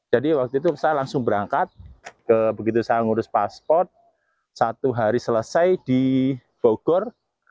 jadi waktu itu saya langsung berangkat begitu saya ngurus pasport satu hari selesai di bogor